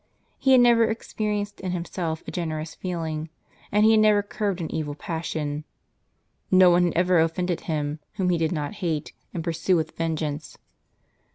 He had never experienced in himself a generous feeling, and he had never curbed an evil passion. No one had ever offended him, whom he did not hate, and pursue with vengeance.